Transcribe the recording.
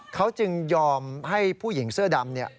เขาจึงยอมให้ผู้หญิงเสื้อดำ